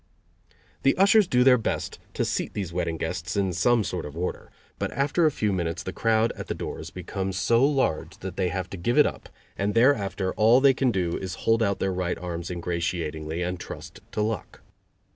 The ushers do their best to seat these wedding guests in some sort of order, but after a few minutes the crowd at the doors becomes so large that they have to give it up, and thereafter all they can do is to hold out their right arms ingratiatingly and trust to luck.